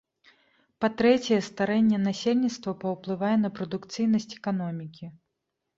Па-трэцяе, старэнне насельніцтва паўплывае на прадукцыйнасць эканомікі.